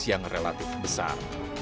yang relatif besar